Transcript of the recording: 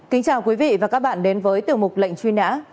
kính chào quý vị và các bạn đến với tiểu mục lệnh truy nã